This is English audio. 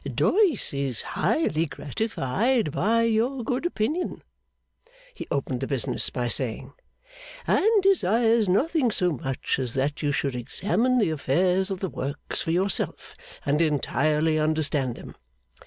'Doyce is highly gratified by your good opinion,' he opened the business by saying, 'and desires nothing so much as that you should examine the affairs of the Works for yourself, and entirely understand them.